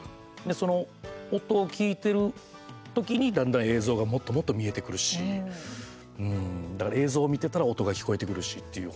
その音を聞いてる時に、だんだん映像がもっともっと見えてくるしだから映像を見てたら音が聞こえてくるしっていう。